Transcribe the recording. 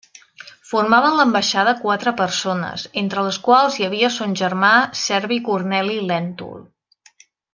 Formaven l’ambaixada quatre persones, entre les quals hi havia son germà Servi Corneli Lèntul.